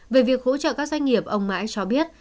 về việc hỗ trợ các doanh nghiệp ông mãi cho biết